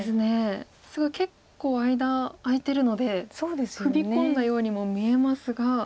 すごい結構間空いてるので踏み込んだようにも見えますが。